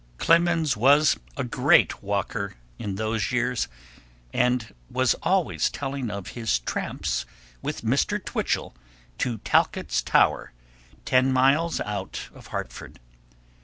Clemens was a great walker, in those years, and was always telling of his tramps with Mr. Twichell to Talcott's Tower, ten miles out of Hartford.